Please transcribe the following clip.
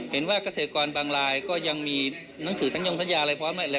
เห็นว่ากเกษตรกรบางลายก็ยังมีหนังสือทางยงสัญญาอะไรพร้อม